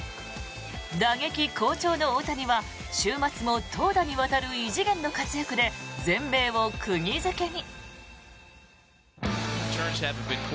打撃好調の大谷は週末も投打にわたる異次元の活躍で全米を釘付けに。